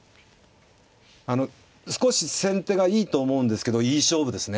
少し先手がいいと思うんですけどいい勝負ですね。